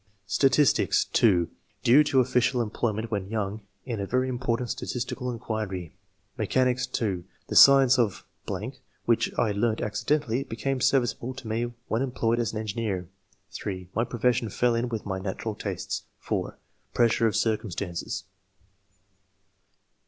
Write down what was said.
Statistics. — (2) Due to official employment when young, in a very important statistical HI.] ORIGIN OF TASTE FOB SCIENCE. 205 Mechanics. — (2) The science of ...., which I had learnt accidentally, became serviceable to me when employed as an engineer. (3) My profession fell in with my natural tastes. (4) Pressure of circumstances.